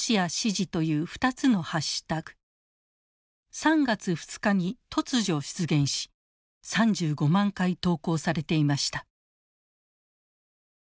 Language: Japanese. ３月２日に突如出現し３５万回投稿されていました。